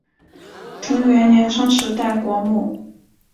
藤原镰仓时代国母。